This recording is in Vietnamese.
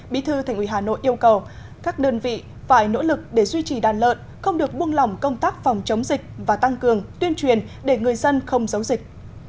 bí thư thành ủy hà nội yêu cầu các đơn vị phải nỗ lực để duy trì đàn lợn không được buông lỏng công tác phòng chống dịch và tăng cường tuyên truyền để người dân không giấu dịch